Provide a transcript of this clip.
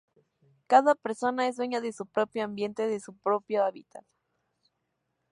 Cada persona es dueña de su propio ambiente, de su propio hábitat.